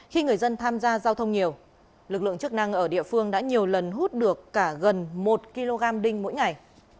không nhiều lực lượng chức năng ở địa phương đã nhiều lần hút được cả gần một kg đinh mỗi ngày